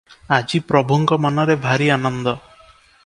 ଆଜି ପ୍ରଭୁଙ୍କ ମନରେ ଭାରି ଆନନ୍ଦ ।